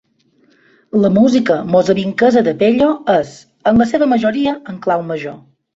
La música mozambiques de Pello és, en la seva majoria, en clau major.